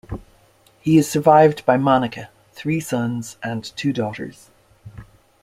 He is survived by Monika, three sons and two daughters.